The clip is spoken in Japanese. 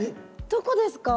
どこですか？